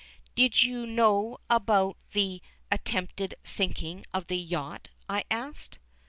"Did you know about the attempted sinking of the yacht?" I asked.